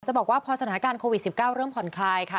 บอกว่าพอสถานการณ์โควิด๑๙เริ่มผ่อนคลายค่ะ